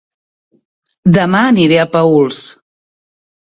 Dema aniré a Paüls